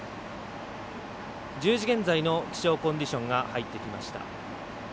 １０時現在の気象コンディションが入ってきました。